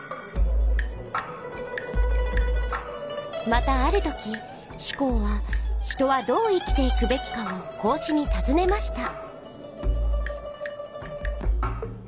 またあるとき子貢は人はどう生きていくべきかを孔子にたずねました。